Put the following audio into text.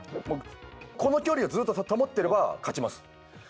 この距離をずっと保っていれば勝ちます。